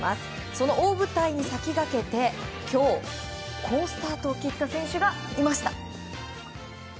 その大舞台に先駆けて今日、好スタートを切った選手がいました。